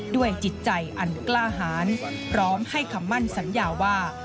จิตใจอันกล้าหารพร้อมให้คำมั่นสัญญาว่า